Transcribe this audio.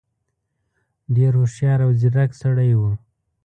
ډېر هوښیار او ځيرک سړی وو.